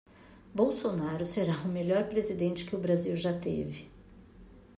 Bolsonaro será o melhor presidente que o Brasil já teve!